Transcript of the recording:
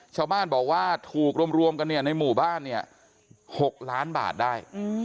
ชาวบ้านบอกว่าถูกรวมกันในหมู่บ้านเนี่ย๖ล้านบาทได้